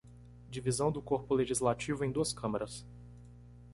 Divisão do corpo legislativo em duas câmaras.